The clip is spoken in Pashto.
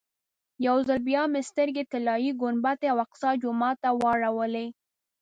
یو ځل بیا مې سترګې طلایي ګنبدې او اقصی جومات ته واړولې.